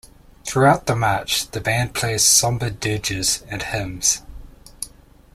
Throughout the march, the band plays somber dirges and hymns.